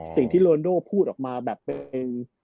สิ่งที่โรนันโดว์พูดออกมาแบบเป็น